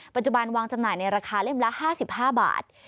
ปัจจุบันวางจำหน่ายในราคาเล่มละ๕๕บาท